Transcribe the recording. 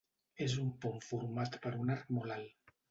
És un pont format per un arc molt alt.